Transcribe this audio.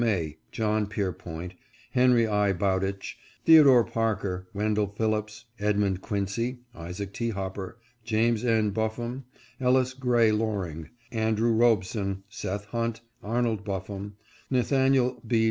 May, John Pierpont, Henry I. Bowditch, Theodore Parker, Wendell Phillips, Edmund Quincy, Isaac T. Hopper, James N. Buffum, Ellis Gray Loring, Andrew Robeson, Seth Hunt, Arnold Buffum, Nathaniel B.